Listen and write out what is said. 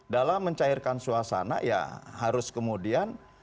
dalam mencairkan suasana ya harus kemudian